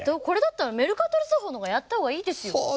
これだったらメルカトル図法のほうでやったほうがいいですよ。